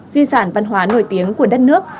di sản văn hóa nổi tiếng của đất nước